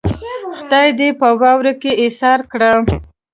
خدای دې په واورو کې ايسار کړه.